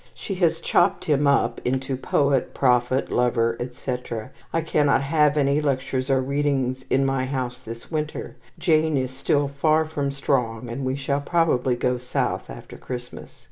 She has chopped him up into poet, prophet, lover, etc. I cannot have any lectures or readings in my house this winter. Jane is still far from strong, and we shall probably go South after Christmas.